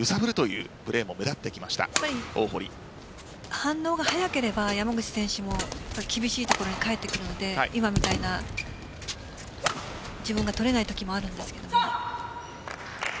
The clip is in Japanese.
反応が速ければ山口選手も厳しいところに返ってくるので今みたいな自分が取れないときもあるんですけど。